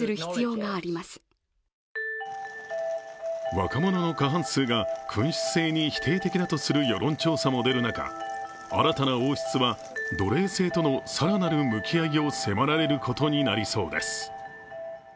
若者の過半数が君主制に否定的だとする世論調査も出る中、新たな王室は、奴隷制との更なる向き合いを迫られることになりそうです。